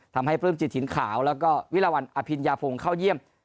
ทำให้ปลื้มจิตถิ่นขาวแล้วก็วิลาวันอภิญญาพงศ์เข้าเยี่ยม